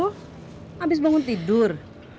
habis bangun tidur